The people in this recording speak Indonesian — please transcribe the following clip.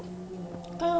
kalau tidak bisa lagi